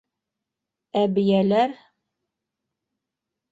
Ә бейәләр...